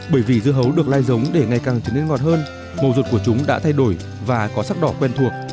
bởi vì dưa hấu được lai giống để ngày càng trở nên ngọt hơn màu ruột của chúng đã thay đổi và có sắc đỏ quen thuộc